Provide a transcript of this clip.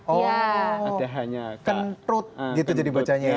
oh kentut gitu jadi bacanya